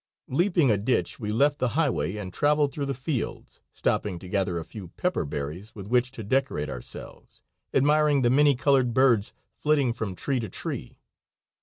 Leaping a ditch we left the highway and traveled through the fields, stopping to gather a few pepper berries with which to decorate ourselves, admiring the many colored birds flitting from tree to tree.